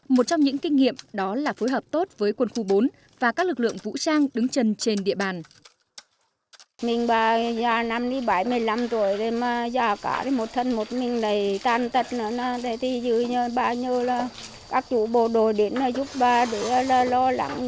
một trong những kinh nghiệm đó là phối hợp tốt với quân khu bốn và các lực lượng vũ trang đứng chân trên địa bàn